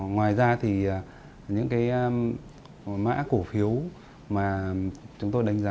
ngoài ra thì những cái mã cổ phiếu mà chúng tôi đánh giá